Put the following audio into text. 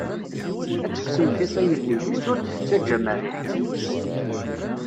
Ad tekksem tiṭ i yelli, deg-s ur d-tettaǧǧam rriḥ.